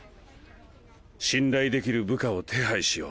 信頼できる部下を手配しよう。